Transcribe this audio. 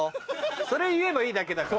それ言えばいいだけだから。